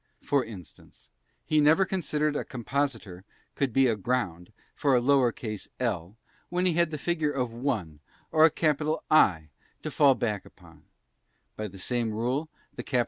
For instance, he never considered a compositor could be aground for a lowercase l while he had a figure of 1 or a cap. I to fall back upon; by the same rule, the cap.